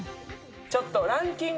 ちょっとランキング